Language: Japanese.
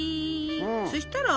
そしたら？